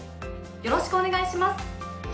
よろしくお願いします！